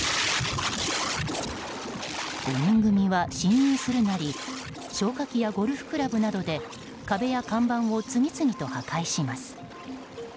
５人組は侵入するなり消火器やゴルフクラブなどで壁や看板を次々と破壊します。